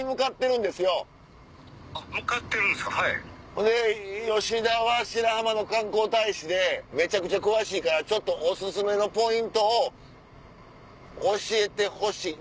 ほんで吉田は白浜の観光大使でめちゃくちゃ詳しいからちょっとお薦めのポイントを教えてほしい。